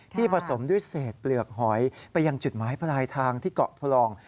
ผสมด้วยเศษเปลือกหอยไปยังจุดหมายปลายทางที่เกาะพลอง